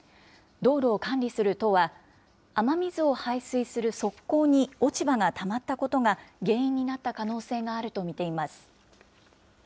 道路を管理する都は、雨水を排水する側溝に落ち葉がたまったことが、原因になった可能性があると見ています。